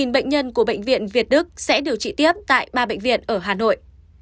một mươi bệnh nhân của bệnh viện việt đức sẽ điều trị tiếp tại ba bệnh viện ở hà nội